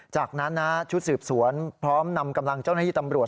จากนั้นชุดสืบสวนพร้อมนำกำลังเจ้าหน้าที่ตำรวจ